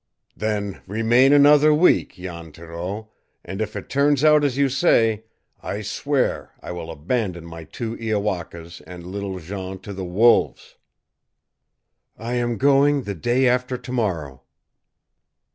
"Then remain another week, Jan Thoreau, and if it turns out as you say, I swear I will abandon my two Iowakas and little Jean to the wolves!" "I am going the day after to morrow."